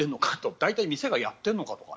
大体店がやってるのかとか。